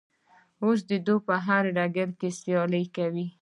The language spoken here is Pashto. اوس دوی په هر ډګر کې سیالي کوي.